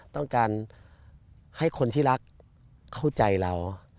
ต้องการให้คนที่รักเข้าใจเรา